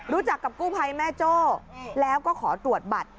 รู้จักกับกู้ภัยแม่โจ้แล้วก็ขอตรวจบัตร